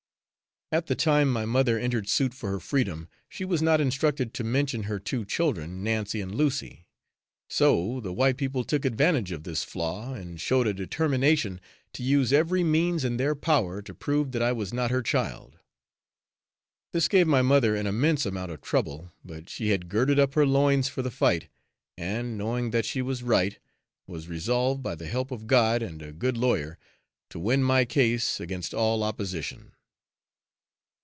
At the time my mother entered suit for her freedom, she was not instructed to mention her two children, Nancy and Lucy, so the white people took advantage of this flaw, and showed a determination to use every means in their power to prove that I was not her child. This gave my mother an immense amount of trouble, but she had girded up her loins for the fight, and, knowing that she was right, was resolved, by the help of God and a good lawyer, to win my case against all opposition.